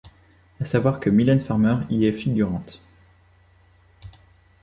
À savoir que Mylène Farmer y est figurante.